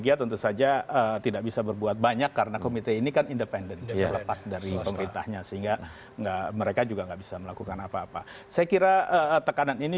ada satu teman luar tai